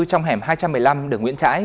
trong hẻm hai trăm một mươi năm đường nguyễn trãi